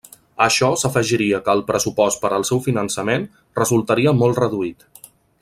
A això s'afegiria que el pressupost per al seu finançament resultaria molt reduït.